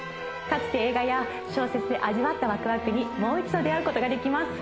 かつて映画や小説で味わったワクワクにもう一度出会うことができます